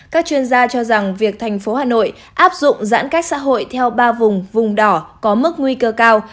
các chuyên gia cho rằng việc thành phố hà nội áp dụng giãn cách xã hội theo ba vùng vùng đỏ có mức nguy cơ cao